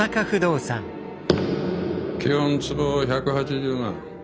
基本坪１８０万。